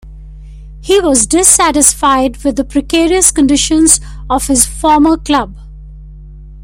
He was dissatisfied with the precarious conditions of his former club.